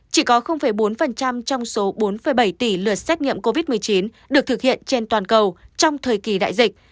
chỉ có bốn trong số bốn bảy tỷ lượt xét nghiệm covid một mươi chín được thực hiện trên toàn cầu trong thời kỳ đại dịch